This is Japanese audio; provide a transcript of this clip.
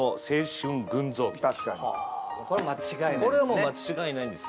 はあこれは間違いないですね。